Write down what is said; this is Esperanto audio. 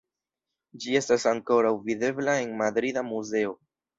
Ĝi estas ankoraŭ videbla en madrida muzeo.